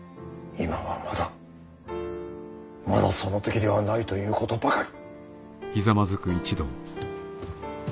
今はまだまだその時ではないということばかり。